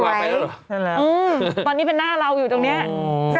ใช่แล้วอืมตอนนี้เป็นหน้าเราอยู่ตรงนี้โอ้โฮ